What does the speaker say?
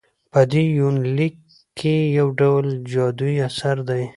په دې يونليک کې يوډول جادويي اثر دى